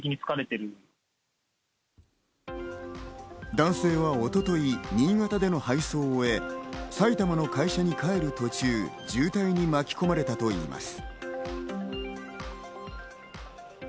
男性は一昨日、新潟での配送を終え、埼玉の会社に帰る途中、渋滞に巻き込まれたといいます。